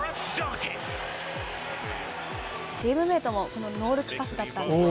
チームメートもノールックパスだったんです。